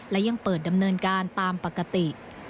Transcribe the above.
และยังเปิดดำเนินการตามปกติ